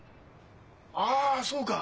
あそうか！